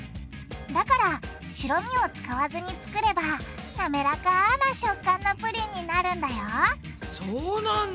だから白身を使わずに作ればなめらかな食感のプリンになるんだよそうなんだ！